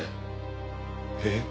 えっ？